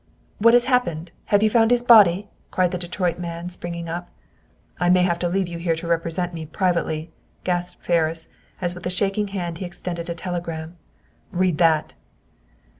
"What has happened? Have you found his body?" cried the Detroit man, springing up. "I may have to leave you here to represent me privately," gasped Ferris, as with a shaking hand he extended a telegram. "Read that!"